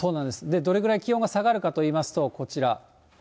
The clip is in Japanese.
どれぐらい気温が下がるかといいますと、こちら。